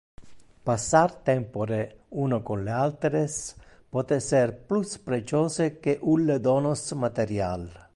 Passar tempore uno con le alteres pote ser plus preciose que ulle donos material.